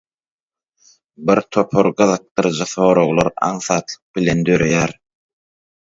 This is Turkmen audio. Bir topar gyzykdyrjy soraglar aňsatlyk bilen döreýär.